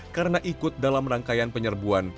karena ikut dalam rangkaian penyerbuan